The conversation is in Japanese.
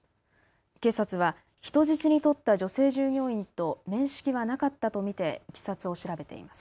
警察は人質に取った女性従業員と面識はなかったと見ていきさつを調べています。